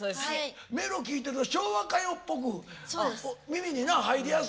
メロ聴いてると昭和歌謡っぽく耳にな入りやすい我々は。